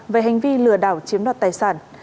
về hành vi lừa đảo chiếm đoạt tài sản